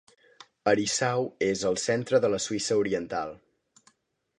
Herisau és al centre de la Suïssa oriental.